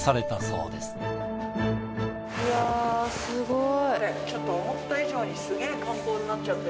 うわっすごい。